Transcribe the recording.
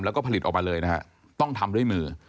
แล้วก็ผลิตออกมาเลยนะฮะต้องทำด้วยมือ